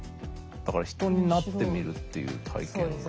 だから人になってみるっていう体験が。